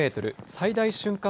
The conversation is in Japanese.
最大瞬間